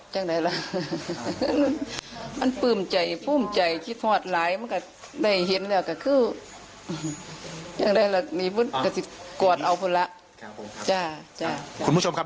ยังได้แหละนี่พูดกฎเอาคุณละครับผมครับคุณผู้ชมครับ